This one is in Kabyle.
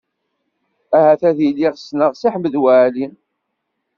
Ahat ad iliɣ ssneɣ Si Ḥmed Waɛli.